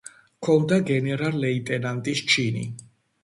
ჰქონდა გენერალ-ლეიტენანტის ჩინი.